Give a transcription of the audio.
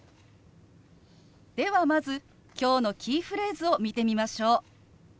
ではまず今日のキーフレーズを見てみましょう。